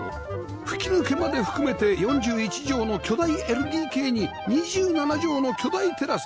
吹き抜けまで含めて４１畳の巨大 ＬＤＫ に２７畳の巨大テラス